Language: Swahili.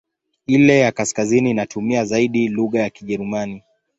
Ile ya kaskazini inatumia zaidi lugha ya Kijerumani.